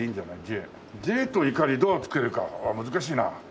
Ｊといかりどうつけるか難しいな。